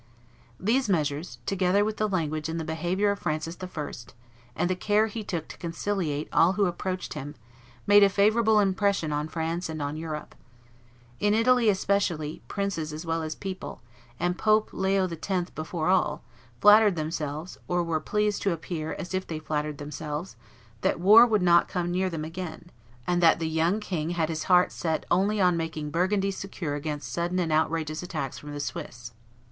These measures, together with the language and the behavior of Francis I., and the care he took to conciliate all who approached him, made a favorable impression on France and on Europe. In Italy, especially, princes as well as people, and Pope Leo X. before all, flattered themselves, or were pleased to appear as if they flattered themselves, that war would not come near them again, and that the young king had his heart set only on making Burgundy secure against sudden and outrageous attacks from the Swiss.